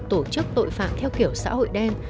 tổ chức tội phạm theo kiểu xã hội đen